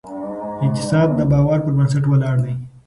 اقتصاد د باور پر بنسټ ولاړ دی.